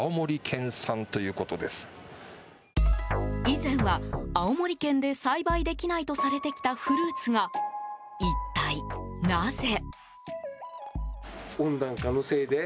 以前は青森県で栽培できないとされてきたフルーツが一体なぜ？